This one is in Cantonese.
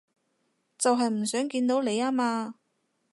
就係唔想見到你吖嘛